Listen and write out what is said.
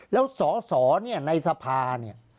แล้วสอสอเนี่ยในสภาเนี่ย